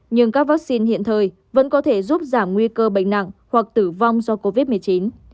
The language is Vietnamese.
nhưng các vaccine hiện thời vẫn có thể giúp giảm nguy cơ bệnh nặng hoặc tử vong do covid một mươi chín